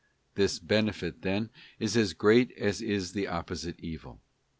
This benefit, then, is as great as is the opposite evil.